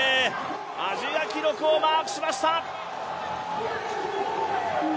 アジア記録をマークしました。